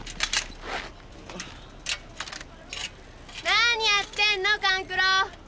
何やってんの勘九郎！